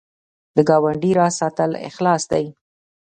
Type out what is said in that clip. د ګاونډي راز ساتل اخلاص دی